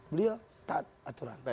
beliau taat aturan